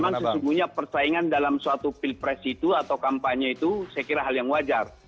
karena memang sesungguhnya persaingan dalam suatu pilpres itu atau kampanye itu saya kira hal yang wajar